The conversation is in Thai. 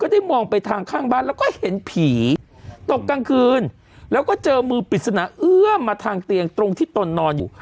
ได้มองไปทางข้างบ้านแล้วก็เห็นผีตกกลางคืนแล้วก็เจอมือปริศนาเอื้อมมาทางเตียงตรงที่ตนนอนอยู่